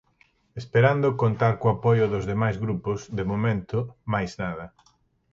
Esperando contar co apoio dos demais grupos, de momento, máis nada.